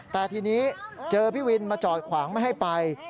แต่ทีนี้เจอพี่วินมาจอดขวางไม่ให้ไป